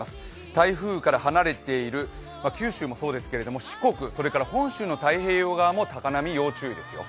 台風から離れている九州もそうですけど四国、それから本州の太平洋側も高波に要注意ですよ。